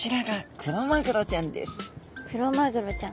クロマグロちゃん。